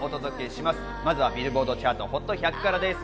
まずはビルボードチャートＨＯＴ１００からです。